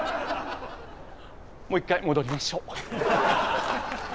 もう一回戻りましょう。